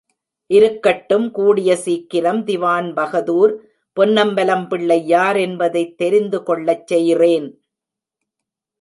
இருக்கட்டும் கூடிய சீக்கிரம் திவான்பகதூர் பொன்னம்பலம் பிள்ளை யாரென்பதைத் தெரிந்துகொள்ளச் செய்றேன்.